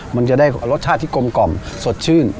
มันจะได้รสชาติที่กลมกล่อมสดชื่น